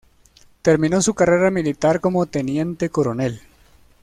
Terminó su carrera militar como teniente coronel.